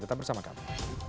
tetap bersama kami